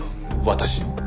私の？